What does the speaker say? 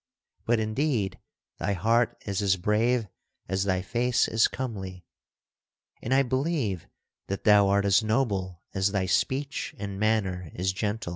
But indeed thy heart is as brave as thy face is comely, and I believe that thou art as noble as thy speech and manner is gentle."